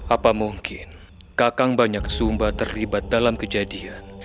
apa mungkin kakang banyak sumba terlibat dalam kejadian